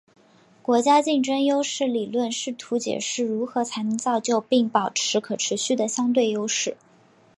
国家竞争优势理论试图解释如何才能造就并保持可持续的相对优势。